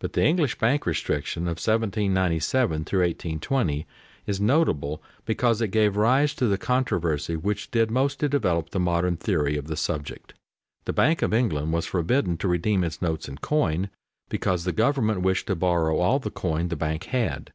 But the English bank restriction of 1797 1820 is notable because it gave rise to the controversy which did most to develop the modern theory of the subject. The Bank of England was forbidden to redeem its notes in coin because the government wished to borrow all the coin the bank had.